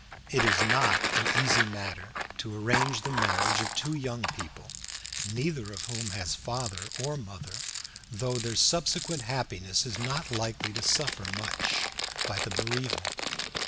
It is not an easy matter to arrange the marriage of two young people neither of whom has father or mother, though their subsequent happiness is not likely to suffer much by the bereavement.